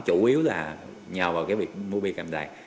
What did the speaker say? chủ yếu là nhờ vào cái việc mua biên cạm đài